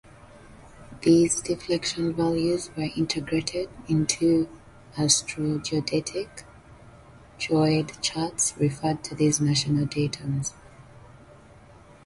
These deflection values were integrated into astrogeodetic geoid charts referred to these national datums.